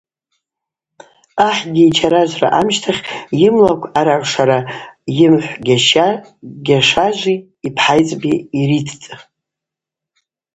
Ахӏгьи йчаражвра амщтахь йымлыкв аъарагӏвшара йымхӏв Гъьашажви йпхӏайцӏби йриттӏ.